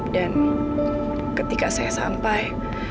dan ketika saya sampai